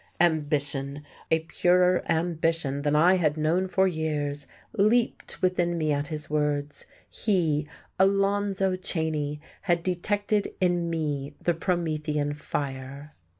Ambition a purer ambition than I had known for years leaped within me at his words. He, Alonzo Cheyne, had detected in me the Promethean fire!